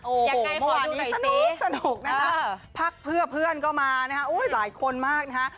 โอ้โหมันนี้สนุกนะฮะพักเพื่อเพื่อนก็มานะฮะอุ้ยหลายคนมากนะฮะ